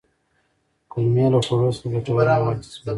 کولمې له خوړو څخه ګټور مواد جذبوي